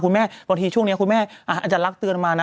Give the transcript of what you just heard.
คุณแม่บางทีช่วงนี้คุณแม่อาจารย์รักเตือนมานะ